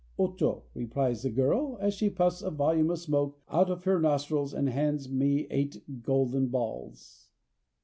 "" Ocho," replies the girl, as she puffs a volume of smoke out of her nostrils and hands me eight golden balls.